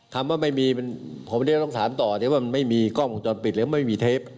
คำว่าไม่มีผมจะต้องถามต่อว่ามันไม่มีกล้องวงจรปิดหรือไม่มีเทป